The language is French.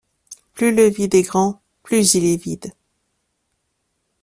Plus le vide est grand, plus il est vide.